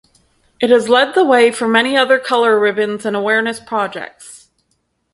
It has led the way for many other color ribbons and awareness projects.